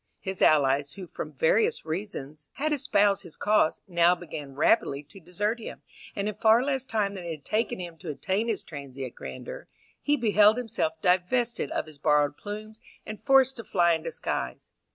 His allies, who from various reasons had espoused his cause, now began rapidly to desert him, and in far less time than it had taken him to attain his transient grandeur, he beheld himself divested of his borrowed plumes, and forced to fly in disguise.